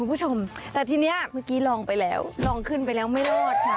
คุณผู้ชมแต่ทีนี้เมื่อกี้ลองไปแล้วลองขึ้นไปแล้วไม่รอดค่ะ